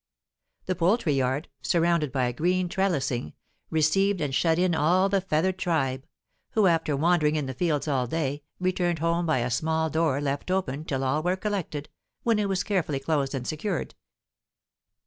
The poultry yard, surrounded by a green trellising, received and shut in all the feathered tribe, who after wandering in the fields all day, returned home by a small door left open till all were collected, when it was carefully closed and secured.